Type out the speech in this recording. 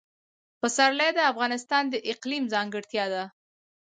پسرلی د افغانستان د اقلیم ځانګړتیا ده.